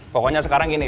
pokoknya sekarang gini